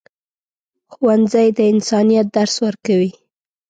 ښوونځی د انسانیت درس ورکوي.